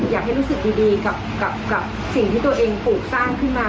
อยากให้รู้สึกดีกับสิ่งที่ตัวเองปลูกสร้างขึ้นมา